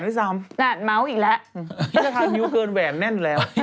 น่ะม้าวอีกแล้ว